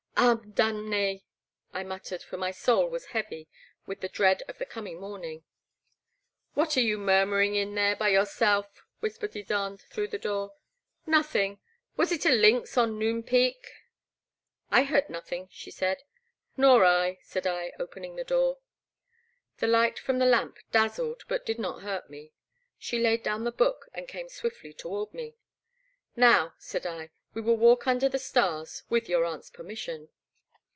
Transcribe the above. Ame damn^e! I muttered; for my sotd was heavy with the dread of the coming morning, What are you murmuring in there by your self? whispered Ysonde, through the door. Nothing — ^was it a lynx on Noon Peak?" I heard nothing/' she said. Nor I/* said I, opening the door. The light from the lamp dazzled but did not hurt me. She laid down the book and came swiftly toward me. *' Now, said I, '* we will walk under the stars — ^with your aunt's permission.